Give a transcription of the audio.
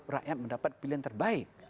rakyat mendapat pilihan terbaik